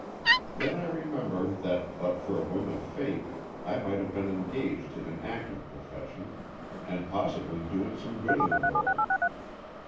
Then I remember that, but for a whim of fate, I might have been engaged in an active profession, and possibly doing some good in the world.